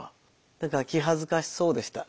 何か気恥ずかしそうでした。